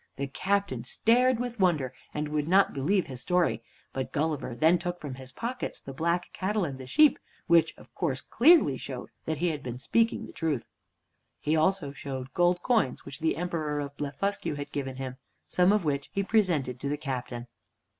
The captain stared with wonder, and would not believe his story. But Gulliver then took from his pockets the black cattle and the sheep, which of course clearly showed that he had been speaking truth. He also showed gold coins which the Emperor of Blefuscu had given him, some of which he presented to the captain.